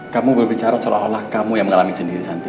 kamu berbicara seolah olah kamu yang mengalami sendiri